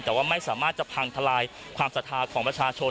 แต่ว่าไม่สามารถจะพังทลายความศรัทธาของประชาชน